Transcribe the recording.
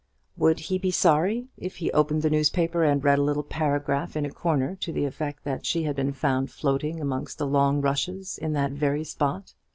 Would he be sorry if he opened the newspaper and read a little paragraph in a corner to the effect that she had been found floating amongst the long rushes in that very spot?